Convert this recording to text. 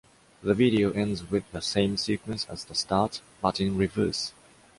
The video ends with the same sequence as the start, but in reverse.